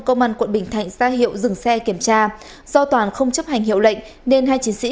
công an quận bình thạnh ra hiệu dừng xe kiểm tra do toàn không chấp hành hiệu lệnh nên hai chiến sĩ